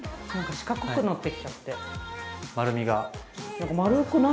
四角くなってきちゃって。